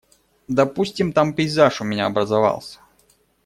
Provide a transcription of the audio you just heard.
Допустим, там пейзаж у меня образовался.